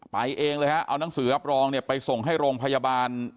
ไปเองเอานังสือรับรองไปส่งให้โรงพยาบาล